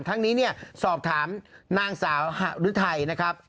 ทั้งนี้สอบถามนางสาวหรือไทยนะครับ